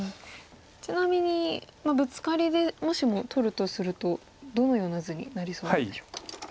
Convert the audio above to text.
ちなみにブツカリでもしも取るとするとどのような図になりそうなんでしょうか。